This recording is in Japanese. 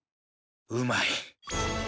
うまい！